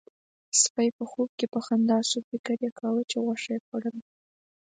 سپي په خوب کې په خندا شو، فکر يې کاوه چې غوښه خوړله.